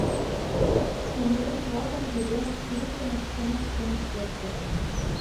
Коммунист-влакын рӱденак туныктымышт чынак чыныш лекте.